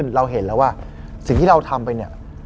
เราเห็นแล้วว่าสิ่งที่เราทำไปเนี่ย